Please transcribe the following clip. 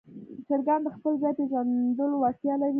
چرګان د خپل ځای پېژندلو وړتیا لري.